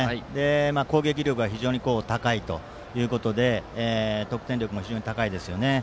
攻撃力が非常に高いということで得点力も非常に高いですよね。